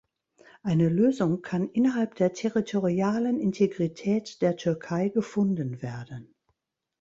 Eine Lösung kann innerhalb der territorialen Integrität der Türkei gefunden werden.